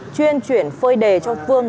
chuyên chuyển phơi đề cho phương